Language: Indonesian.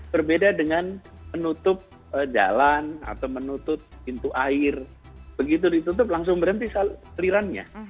berbeda dengan menutup jalan atau menutup pintu air begitu ditutup langsung berhenti alirannya